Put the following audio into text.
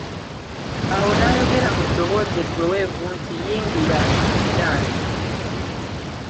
Awo n'ayogera mu ddoboozi eggweweevu nti Yingira, Dance.